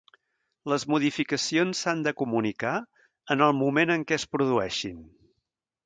Les modificacions s'han de comunicar en el moment en què es produeixin.